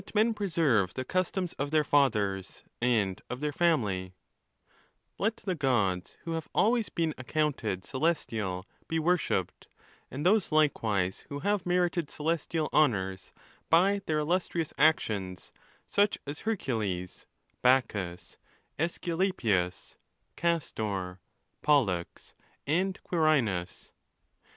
men preserve the customs of their fathers and of their family —let the gods who have always been accounted celestial be worshipped, and those likewise who have merited celestial honours by their illustrious actions, such as Hercules, Bac chus, A'sculapius, Castor, Pollux, and Quirinus.